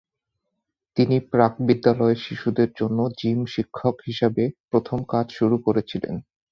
তিনি প্রাক বিদ্যালয়ের শিশুদের জন্য জিম শিক্ষক হিসাবে প্রথম কাজ শুরু করেছিলেন।